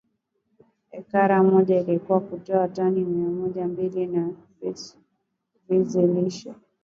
hekari moja inaweza kutoa tani mojambili ya vizi lishe